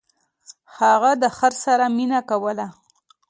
هغه د خر سره مینه کوله.